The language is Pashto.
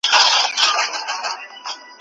لا هغه سوټک ته څڼي غور ځومه